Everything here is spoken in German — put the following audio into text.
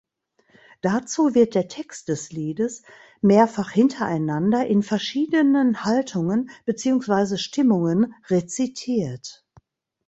Dazu wird der Text des Liedes mehrfach hintereinander in verschiedenen Haltungen beziehungsweise Stimmungen rezitiert.